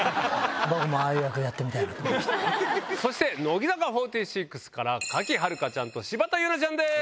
そして乃木坂４６から賀喜遥香ちゃんと柴田柚菜ちゃんです。